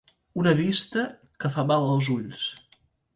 Una vista que fa mal als ulls.